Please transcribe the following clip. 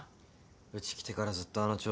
うち来てからずっとあの調子だ。